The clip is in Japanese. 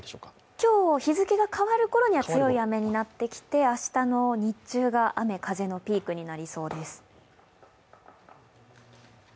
今日、日付が変わるころには強い雨になってきて明日の日中が雨・風のピークになりそうです。